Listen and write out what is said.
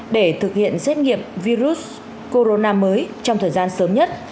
để thực hiện xét nghiệm virus corona mới trong thời gian sớm nhất